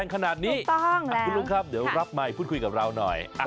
คุณลุงครับเดี๋ยวรับไมค์พูดคุยกับเราหน่อย